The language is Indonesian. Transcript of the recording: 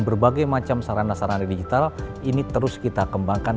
berbagai macam sarana sarana digital ini terus kita kembangkan